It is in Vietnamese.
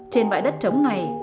trên bãi đất trống này